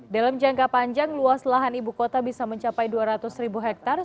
dalam jangka panjang luas lahan ibu kota bisa mencapai dua ratus ribu hektare